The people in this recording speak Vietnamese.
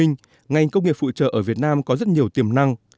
ngành công nghiệp phụ trợ ở việt nam có rất nhiều tiềm năng